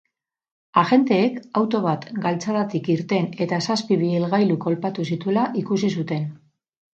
Agenteek auto bat galtzadatik irten eta zazpi ibilgailu kolpatu zituela ikusi zuten.